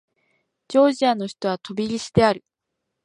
ジョージアの首都はトビリシである